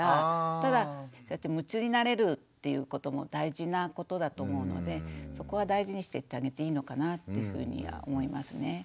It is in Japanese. ただ夢中になれるっていうことも大事なことだと思うのでそこは大事にしていってあげていいのかなってふうには思いますね。